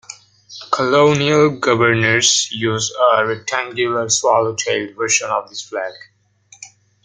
Colonial governors used a rectangular swallow-tailed version of this flag.